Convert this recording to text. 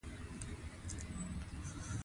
په افغانستان کې د وګړي لپاره طبیعي شرایط مناسب دي.